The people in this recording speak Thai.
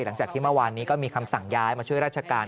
หลังจากที่เมื่อวานนี้ก็มีคำสั่งย้ายมาช่วยราชการ